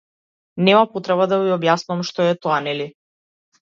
Нема потреба да ви објаснувам што е тоа, нели?